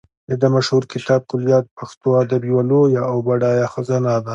د ده مشهور کتاب کلیات د پښتو ادب یوه لویه او بډایه خزانه ده.